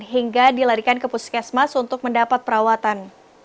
hingga dilarikan ke puskesmas untuk mendapat perawatan